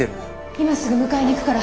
今すぐ迎えに行くから。